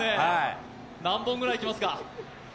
何本くらい、いきますか？